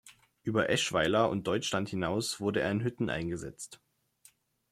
Über Eschweiler und Deutschland hinaus wurde er in Hütten eingesetzt.